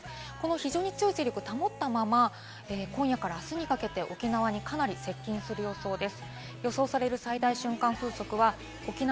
非常に強い勢力を保ったまま今夜からあすにかけて沖縄にかなり接近する予想です。